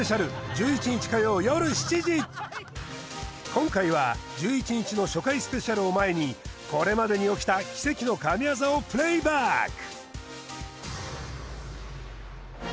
今回は１１日の初回スペシャルを前にこれまでに起きた奇跡の神業をプレイバック！